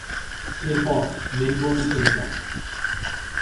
এরপর মেলবোর্নে চলে যান।